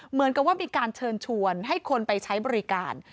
เหมือนกับว่ามีการเชิญชวนให้คนไปใช้บริการ